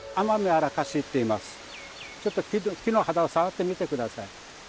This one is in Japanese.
ちょっと木の肌を触ってみて下さい。